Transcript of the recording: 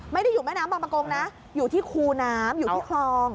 ไม่ได้อยู่แม่น้ำบางประกงนะอยู่ที่คูน้ำอยู่ที่คลอง